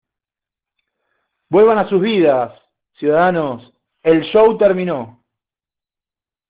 Vuelvan a sus vidas, ciudadanos. El show terminó .